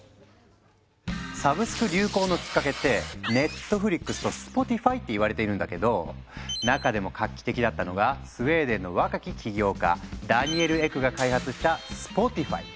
サブスク流行のきっかけって「ＮＥＴＦＬＩＸ」と「Ｓｐｏｔｉｆｙ」って言われているんだけど中でも画期的だったのがスウェーデンの若き起業家ダニエル・エクが開発した「スポティファイ」。